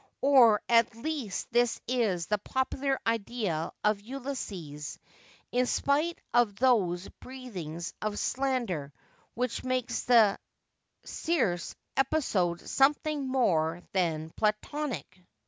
Or at least this is the popular idea of Ulysses, in spite of those breathings of slander which make the Circe episode something more than Platonic.